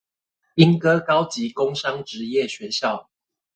鶯歌高級工商職業學校